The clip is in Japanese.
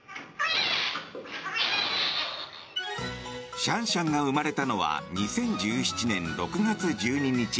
シャンシャンが生まれたのは２０１７年６月１２日。